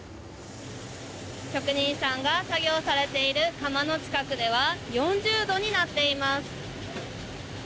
職人さんが作業されている窯の近くでは４０度になっています。